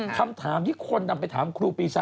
คำถามที่คนนำไปถามครูปีชา